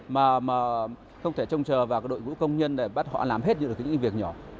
mà không thể trông chờ vào đội ngũ công nhân để bắt họ làm hết được những việc nhỏ